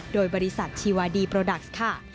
โดยบริษัทชีวาดีโปรดักซ์ค่ะ